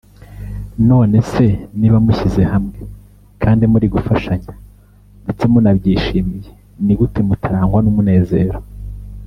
none se niba mushyize hamwe kandi muri gufashanya ndetse munabyishimiye ni gute mutarangwa n’umunezero